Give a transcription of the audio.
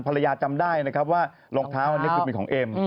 ภรรยาจำได้นะครับว่ารองเท้านี้คือมีของเอ็ม